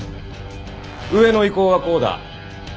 上の意向はこうだ。